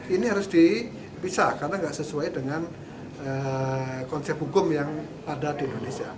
ini harus dipisah karena nggak sesuai dengan konsep hukum yang ada di indonesia